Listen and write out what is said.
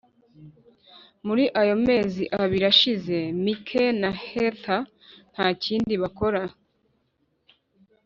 Muri ayo mezi abiri ashize Mike na Heather nta kindi bakora